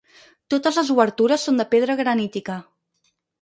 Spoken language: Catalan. Totes les obertures són de pedra granítica.